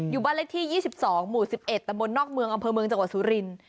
อยู่บ้านเลขที่๒๒หมู่๑๑ตะม๑๑๒อ่อมเมืองอำเภอเมืองจังหวัดซุรินทร์